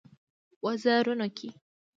وزرونو کې